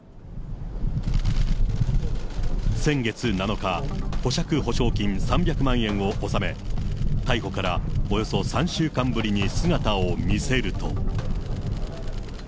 先月７日、保釈保証金３００万円をおさめ、逮捕からおよそ３週間ぶりに姿を見せると。